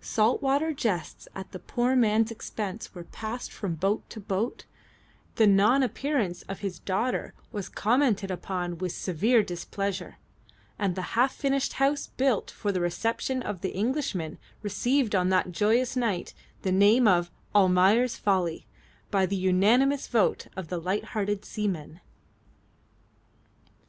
Salt water jests at the poor man's expense were passed from boat to boat, the non appearance of his daughter was commented upon with severe displeasure, and the half finished house built for the reception of Englishmen received on that joyous night the name of "Almayer's Folly" by the unanimous vote of the lighthearted seamen.